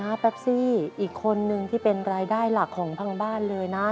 น้าแป๊บสิอีกคนนึงที่เป็นรายได้หลักของพังบ้านเลยน้า